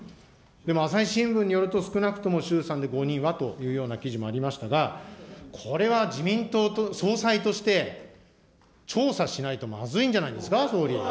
朝日新聞によると、少なくとも衆参で５人はというような記事もありましたが、これは自民党総裁として、調査しないとまずいんじゃないですか、総理。